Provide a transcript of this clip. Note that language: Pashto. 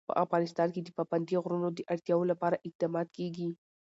په افغانستان کې د پابندي غرونو د اړتیاوو لپاره اقدامات کېږي.